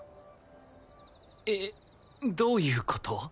えっどういう事？